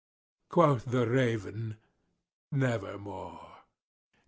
Quoth the raven, "Nevermore."